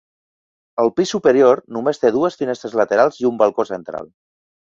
El pis superior només té dues finestres laterals i un balcó central.